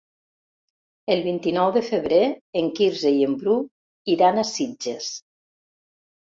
El vint-i-nou de febrer en Quirze i en Bru iran a Sitges.